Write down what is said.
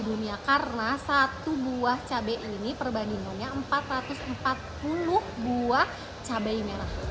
dunia karena satu buah cabai ini perbandingannya empat ratus empat puluh buah cabai merah